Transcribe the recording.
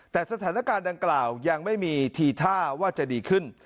แต่สถานการณ์ดังกล่าวยังไม่มีทีท่าว่าจะดีขึ้น